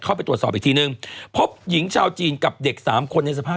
เข้าไปตรวจสอบอีกทีนึงพบหญิงชาวจีนกับเด็กสามคนในสภาพ